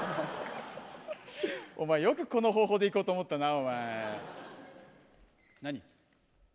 お前よくこの方法でいこうと思ったな。